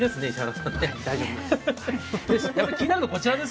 大丈夫です。